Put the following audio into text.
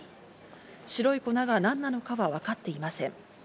白い粉が何なのかは分かっていません。